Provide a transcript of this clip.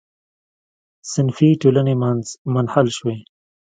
صنفي ټولنې منحل شوې.